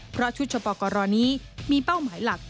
เพราะชุดชปกรนี้มีเป้าหมายหลัก